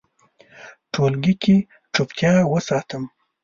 ټولګي کې چوپتیا وساتم.